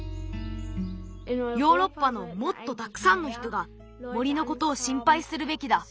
ヨーロッパのもっとたくさんの人が森のことをしんぱいするべきだ。